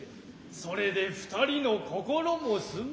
それで二人の心も済む。